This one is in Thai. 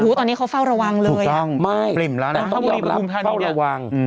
หูตอนนี้เขาเฝ้าระวังเลยถูกต้องไม่ต้องยอมรับเฝ้าระวังอืม